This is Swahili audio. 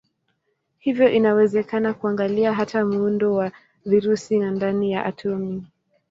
Hivyo inawezekana kuangalia hata muundo wa virusi na ndani ya atomi.